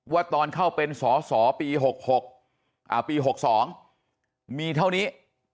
ว่าตอนเข้าเป็นสอสอปี๖๖ปี๖๒มีเท่านี้